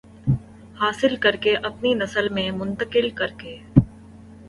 حاصل کر کے اپنی نسل میں منتقل کر کے